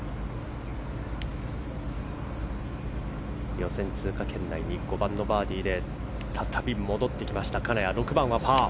予選通過圏内に５番のバーディーで再び戻ってきた金谷６番は、パー。